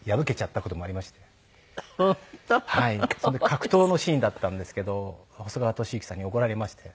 格闘のシーンだったんですけど細川俊之さんに怒られまして。